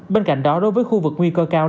bên cạnh đó đối với khu vực nguy cơ cao